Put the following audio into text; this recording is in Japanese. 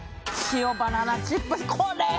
塩バナナチップスこれ！